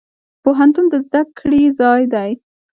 پوهنتون د زده کړي ځای دی.